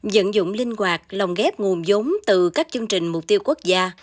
dẫn dụng linh hoạt lòng ghép nguồn giống từ các chương trình mục tiêu quốc gia